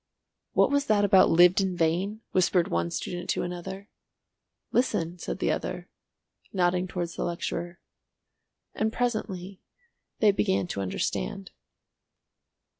"What was that about 'lived in vain?'" whispered one student to another. "Listen," said the other, nodding towards the lecturer. And presently they began to understand.